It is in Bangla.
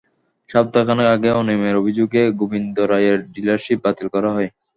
সপ্তাহ খানেক আগে অনিয়মের অভিযোগে গোবিন্দ রায়ের ডিলারশিপ বাতিল করা হয়।